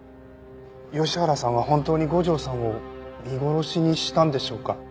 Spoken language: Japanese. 吉原さんは本当に五条さんを見殺しにしたんでしょうか？